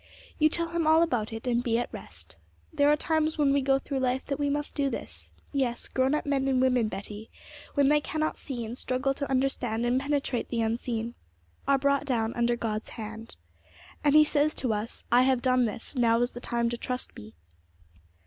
You tell him all about it, and be at rest. There are times when we go through life that we must do this, yes, grown up men and women, Betty, when they cannot see, and struggle to understand and penetrate the unseen, are brought down under God's hand. And He says to us, "I have done this: now is the time to trust Me."